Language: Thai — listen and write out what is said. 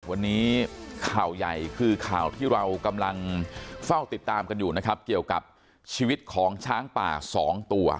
วันนี้ข่าวใหญ่คือข่าวที่เรากำลังเฝ้าติดตามกันอยู่นะครับเกี่ยวกับชีวิตของช้างป่าสองตัว